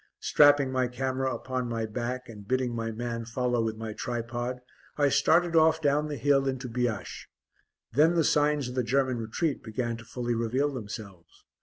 Strapping my camera upon my back, and bidding my man follow with my tripod, I started off down the hill into Biaches. Then the signs of the German retreat began to fully reveal themselves.